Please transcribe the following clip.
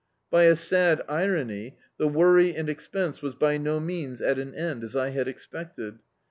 By a sad irwiy, the worry and expense was by no means at an end, as I had expected.